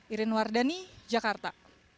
irene wardani jakarta